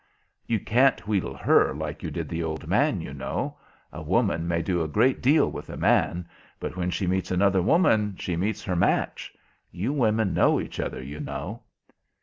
"You can't wheedle her like you did the old man, you know. A woman may do a great deal with a man, but when she meets another woman she meets her match. You women know each other, you know."